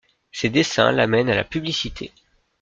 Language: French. Ses dessins l’amènent à la publicité.